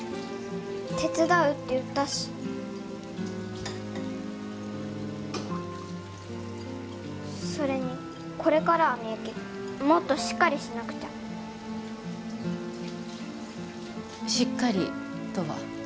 手伝うって言ったしそれにこれからはみゆきもっとしっかりしなくちゃ「しっかり」とは？